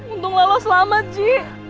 untung lo selamat ji